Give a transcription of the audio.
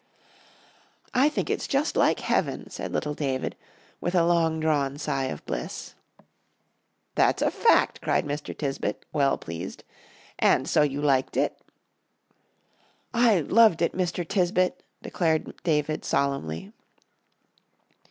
"I think it's just like Heaven," said little David, with a long drawn sigh of bliss. "That's a fact," cried Mr. Tisbett, well pleased. "And so you liked it?" "I loved it, Mr. Tisbett," declared David, solemnly.